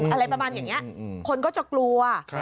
อะไรประมาณอย่างนี้คนก็จะกลัว